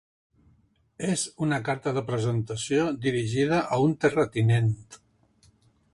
És una carta de presentació dirigida a un terratinent.